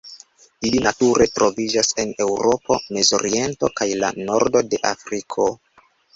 Ili nature troviĝas en Eŭropo, Mezoriento kaj la nordo de Afriko.